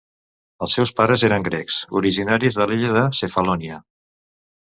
Els seus pares eren grecs, originaris de l'illa de Cefalònia.